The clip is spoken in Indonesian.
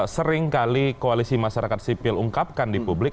seringkali koalisi masyarakat sipil ungkapkan di publik